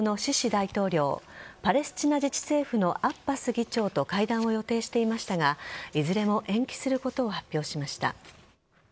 大統領パレスチナ自治政府のアッバス議長と会談を予定していましたがいずれも延期することを発表しました。